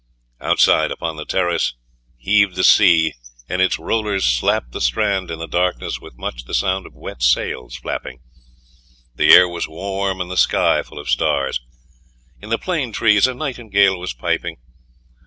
Outside, upon the terrace, heaved the sea, and its rollers slapped the strand in the darkness with much the sound of wet sails flapping. The air was warm, and the sky full of stars. In the plane trees a nightingale was piping.